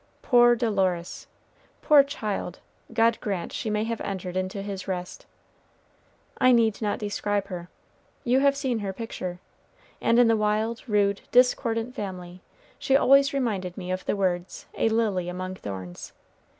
Poor Dolores! poor child! God grant she may have entered into his rest! I need not describe her. You have seen her picture. And in the wild, rude, discordant family, she always reminded me of the words, "a lily among thorns."